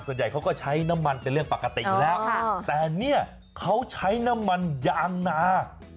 ส่วนใหญ่เขาก็ใช้น้ำมันเป็นเรื่องปกติอยู่แล้วแต่เนี่ยเขาใช้น้ำมันยางนา